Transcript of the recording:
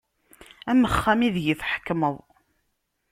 Am uxxam ideg i tḥekmeḍ.